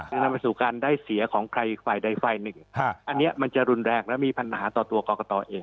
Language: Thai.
นำไปสู่การได้เสียของใครฝ่ายใดฝ่ายหนึ่งอันนี้มันจะรุนแรงและมีปัญหาต่อตัวกรกตเอง